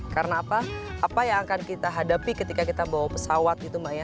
karena apa apa yang akan kita hadapi ketika kita bawa pesawat gitu mbak ya